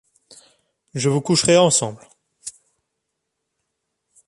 Je vous coucherai ensemble.